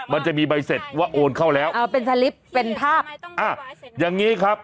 มันจะมีใบเสร็จว่าโอนเข้าแล้วเออเป็นสลิปเป็นภาพอ่ะอย่างนี้ครับ